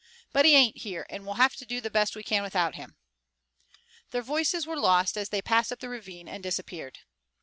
"But he ain't here, and we'll have to do the best we can without him." Their voices were lost, as they passed up the ravine and disappeared.